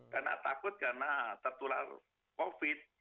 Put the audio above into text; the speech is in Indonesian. karena takut karena tertular covid sembilan belas